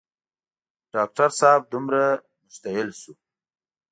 ډاکټر صاحب دومره مشتعل شو.